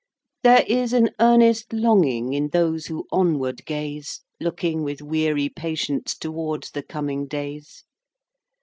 II. There is an earnest longing In those who onward gaze, Looking with weary patience Towards the coming days.